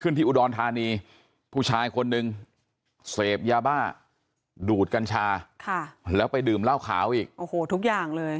ที่อุดรธานีผู้ชายคนหนึ่งเสพยาบ้าดูดกัญชาแล้วไปดื่มเหล้าขาวอีกโอ้โหทุกอย่างเลย